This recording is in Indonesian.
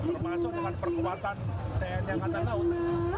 termasuk dengan perkuatan tni angkatan laut